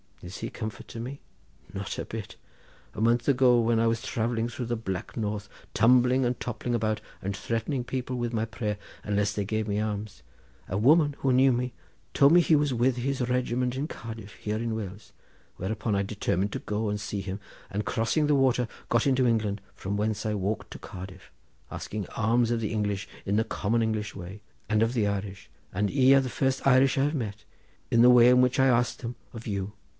Is he a comfort to me? not a bit. A month ago when I was travelling through the black north, tumbling and toppling about, and threatening people with my prayer, unless they gave me alms, a woman, who knew me, told me that he was with his regiment at Cardiff, here in Wales, whereupon I determined to go and see him, and crossing the water got into England, from whence I walked to Cardiff asking alms of the English in the common English way, and of the Irish, and ye are the first Irish I have met, in the way in which I asked them of you.